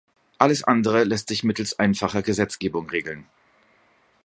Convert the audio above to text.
Alles andere lässt sich mittels einfacher Gesetzgebung regeln.